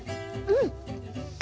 うん！